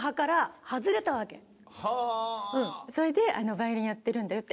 それで「ヴァイオリンやってるんだよ」って。